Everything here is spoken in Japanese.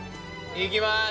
いきます！